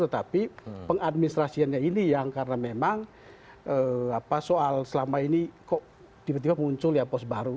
tetapi pengadministrasiannya ini yang karena memang soal selama ini kok tiba tiba muncul ya pos baru